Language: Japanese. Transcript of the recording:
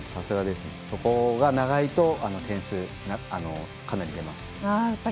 そこが長いと点数、かなり出ます。